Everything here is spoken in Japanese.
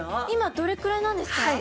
今どれくらいなんですか？